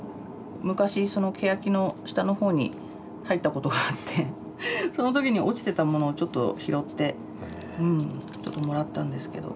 昔ケヤキの下のほうに入ったことがあってその時に落ちてたものをちょっと拾ってちょっともらったんですけど。